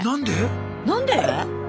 何で？